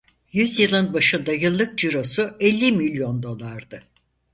Yüzyılın başında yıllık cirosu elli milyon dolardı.